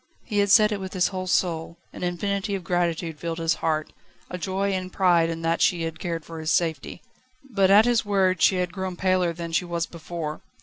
He had said it with his whole soul, an infinity of gratitude filled his heart, a joy and pride in that she had cared for his safety. But at his words she had grown paler than she was before.